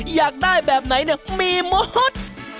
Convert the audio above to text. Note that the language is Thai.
อยากได้แบบไหนเนี่ยมีหมด